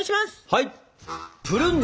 はい！